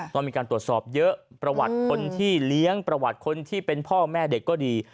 ต้องมีการตรวจสอบเยอะประวัติคนที่เลี้ยงประวัติคนที่เป็นพ่อแม่เด็กก็ดี